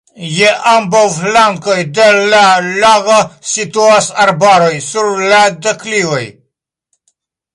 Je ambaŭ flankoj de la lago situas arbaroj sur la deklivoj.